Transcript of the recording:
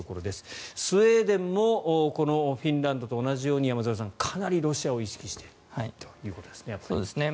スウェーデンもこのフィンランドと同じように山添さん、かなりロシアを意識しているということですね。